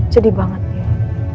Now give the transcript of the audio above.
sedih banget dia